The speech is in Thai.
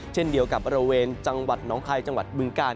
เช่นเดียวกับบริเวณจังหวัดน้องคายจังหวัดบึงกาล